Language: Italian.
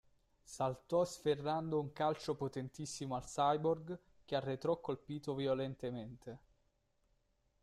Saltò sferrando un calcio potentissimo al cyborg che arretrò colpito violentemente.